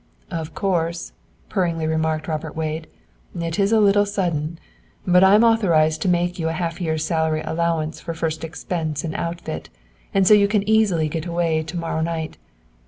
"Of course," purringly remarked Robert Wade, "it is a little sudden; but I am authorized to make you a half year's salary allowance for first expenses and outfit, and so you can easily get away to morrow night.